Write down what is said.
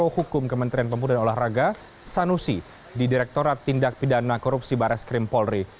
hukum kementerian kompul dan olahraga sanusi di direktorat tindak pidana korupsi barat skrim polri